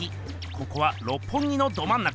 ここは六本木のどまん中。